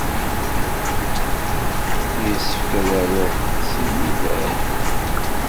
Yessefk ad aruɣ s lmidad?